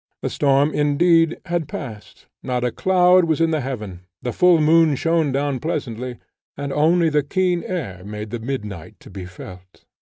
The storm, indeed, had past, not a cloud was in the heaven, the full moon shone down pleasantly, and only the keen air made the midnight to be felt.